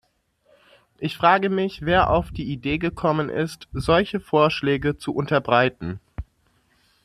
Ich frage mich, wer auf die Idee gekommen ist, solche Vorschläge zu unterbreiten.